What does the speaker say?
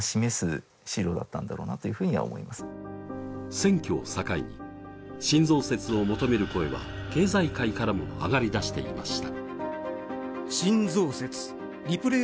選挙を境に新増設を求める声は経済界からも上がりだしていました。